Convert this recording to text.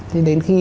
thì đến khi